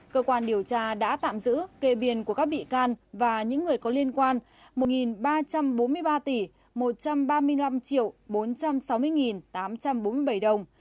cơ quan điều tra đã tạm giữ kê biên của các bị can và những người có liên quan một ba trăm bốn mươi ba tỷ một trăm ba mươi năm bốn trăm sáu mươi tám trăm bốn mươi bảy đồng